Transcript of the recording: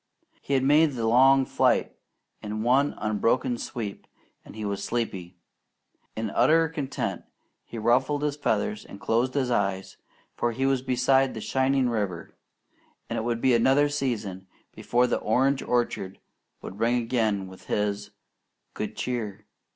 He had made the long flight in one unbroken sweep, and he was sleepy. In utter content he ruffled his feathers and closed his eyes, for he was beside the shining river; and it would be another season before the orange orchard would ring again with his "Good Cheer!